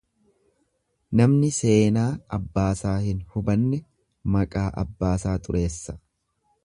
Namni seenaa abbaasaa hin hubanne maqaa abbaasaa xureessa.